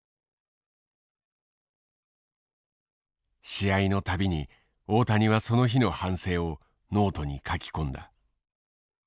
試合の度に大谷はその日の反省をノートに書き込んだ。